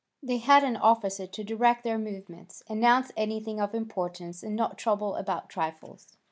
They had an officer to direct their movements, announce anything of importance, and not trouble about trifles.